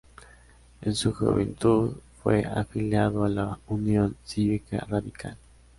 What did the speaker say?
En su juventud fue afiliado a la Unión Cívica Radical.